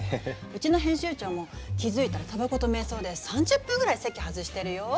うちの編集長も気付いたらたばこと瞑想で３０分くらい席外してるよ。